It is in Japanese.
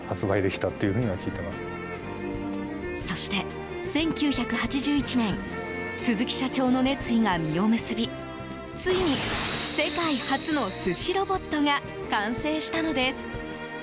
そして１９８１年鈴木社長の熱意が実を結びついに世界初の寿司ロボットが完成したのです。